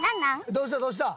どうした？